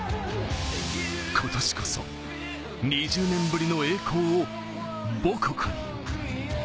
今年こそ、２０年ぶりの栄光を母国。